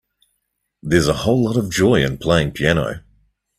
There is a whole lot of joy in playing piano.